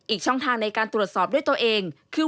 ช่องทางในการตรวจสอบด้วยตัวเองคือ